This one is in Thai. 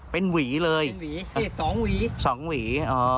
เป็นหวีเลย๒หวีสองหวี